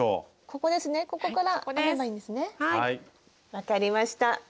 分かりました。